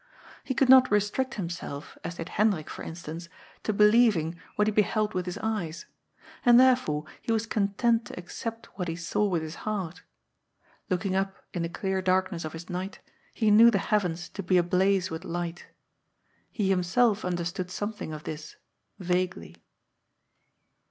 He could not restrict himself, as did Hendrik, for instance, to believing what he beheld with his eyes ; and therefore he was content to accept what he saw with his heart. Looking up in the clear darkness of his night, he knew the heavens to be ablaze with light. He himself understood something of this — ^vaguely.